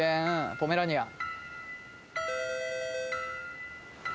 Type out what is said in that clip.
ポメラニアン。